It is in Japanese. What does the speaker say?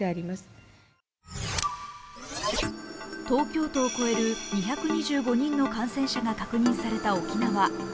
東京都を超える２２５人の感染者が確認された沖縄。